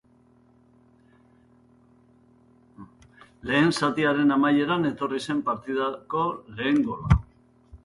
Lehen zatiaren amaieran etorri zen partidako lehen gola.